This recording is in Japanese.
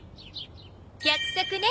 約束ね。